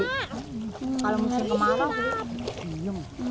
kalau musim kemarau